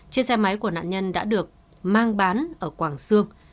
chiếc xe máy của nạn nhân đã được mang bán ở quảng xương